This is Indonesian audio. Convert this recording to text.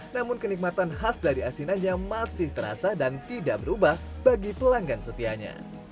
namun kenikmatan khas dari asinannya masih terasa dan tidak berubah bagi pelanggan setianya